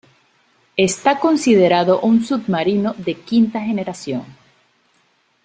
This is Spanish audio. Está considerado un submarino de quinta generación.